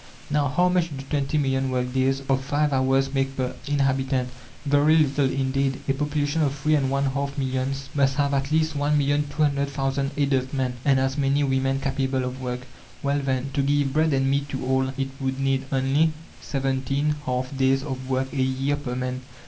Now, how much do twenty million work days of five hours make per inhabitant? Very little indeed. A population of three and one half millions must have at least 1,200,000 adult men, and as many women capable of work. Well, then, to give bread and meat to all, it would need only seventeen half days of work a year per man.